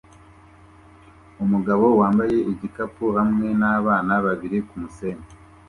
Umugabo wambaye igikapu hamwe nabana babiri kumusenyi